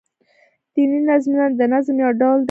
دیني نظمونه دنظم يو ډول دﺉ.